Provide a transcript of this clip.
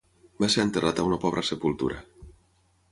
Va ser enterrat a una pobra sepultura.